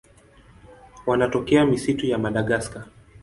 Wanatokea misitu ya Madagaska.